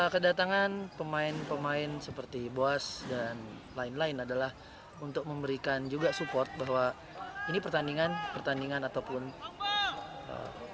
kedatangan pemain pemain seperti boas dan lain lain adalah untuk memberikan juga support bahwa ini pertandingan pertandingan ataupun pertandingan